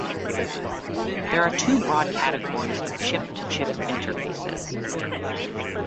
There are two broad categories of chip-to-chip interfaces.